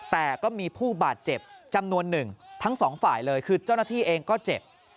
แต่ก็มีผู้บาดเจ็บจำนวนหนึ่งทั้งสองฝ่ายเลยคือเจ้าหน้าที่เองก็เจ็บ